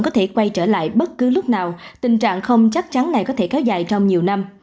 có thể quay trở lại bất cứ lúc nào tình trạng không chắc chắn này có thể kéo dài trong nhiều năm